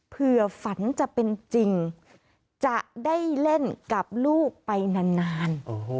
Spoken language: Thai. ฝันจะเป็นจริงจะได้เล่นกับลูกไปนาน